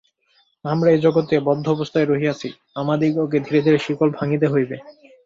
আমরা এই জগতে বদ্ধ অবস্থায় রহিয়াছি, আমাদিগকে ধীরে ধীরে শিকল ভাঙিতে হইবে।